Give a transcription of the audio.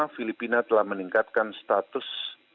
filipina telah meningkatkan status